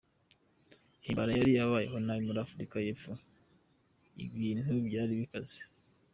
Himbara yari abayeho nabi muri Africa y’epfo, ibintu byari bikaze.